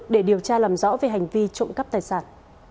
để điều tra làm rõ về hành vi trộm cắp tài sản